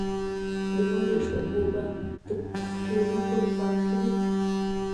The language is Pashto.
د وربشو اوبه د پښتورګو لپاره ښې دي.